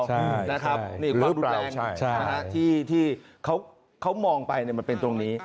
หรือเปล่านะครับความรุดแรงที่เขามองไปมันเป็นตรงนี้